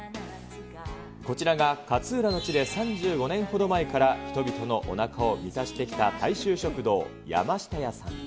こちらが勝浦の地で３５年ほど前から、人々のおなかを満たしてきた大衆食堂、山下家さん。